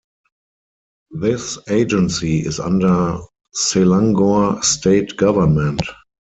This agency is under Selangor state government.